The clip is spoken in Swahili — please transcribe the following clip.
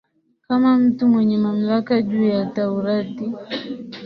kama mtu mwenye mamlaka juu ya Taurati